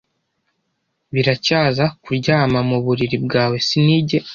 Biracyaza kuryama 'muburiri bwawe sinige'